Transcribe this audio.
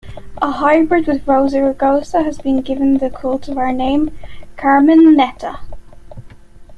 A hybrid with "Rosa rugosa" has been given the cultivar name 'Carmenetta'.